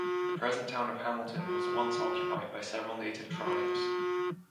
The present Town of Hamilton was once occupied by several native tribes.